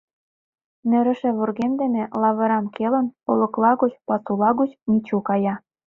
Нӧрышӧ вургем дене, лавырам келын, олыкла гоч, пасула гоч Мичу кая.